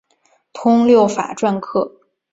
通六法篆刻。